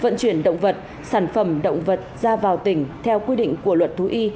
vận chuyển động vật sản phẩm động vật ra vào tỉnh theo quy định của luật thú y